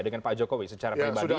dengan pak jokowi secara pribadi